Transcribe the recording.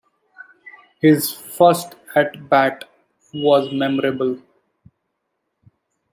His first at-bat was memorable.